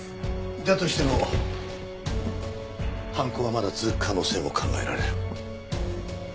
だとしても犯行はまだ続く可能性も考えられる。